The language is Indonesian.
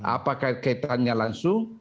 apakah kaitannya langsung